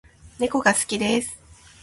猫が好きです